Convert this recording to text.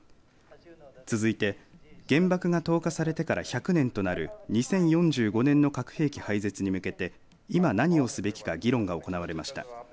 続いて、原爆が投下されてから１００年となる２０４５年の核兵器廃絶に向けて今、何をすべきか議論が行われました。